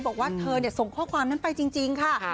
บอกว่าเธอส่งข้อความนั้นไปจริงค่ะ